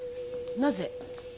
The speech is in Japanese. なぜ？